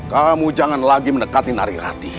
kamu jangan lagi mendekati nari rati